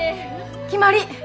決まり！